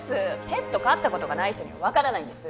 ペット飼ったことがない人には分からないんです